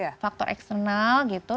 lagi banyak faktor eksternal gitu